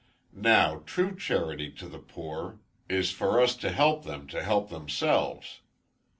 Now, true charity to the poor is for us to help them to help themselves.